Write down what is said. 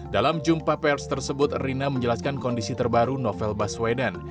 dalam jumpa pers tersebut rina menjelaskan kondisi terbaru novel baswedan